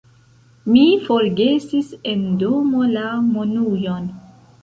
Mi forgesis en domo la monujon.